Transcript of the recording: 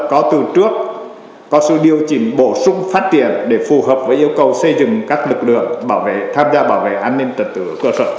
có từ trước có sự điều chỉnh bổ sung phát triển để phù hợp với yêu cầu xây dựng các lực lượng bảo vệ tham gia bảo vệ an ninh trật tự ở cơ sở